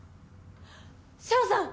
翔さん